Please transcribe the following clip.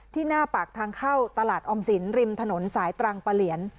หน้าปากทางเข้าตลาดออมสินริมถนนสายตรังปะเหลียน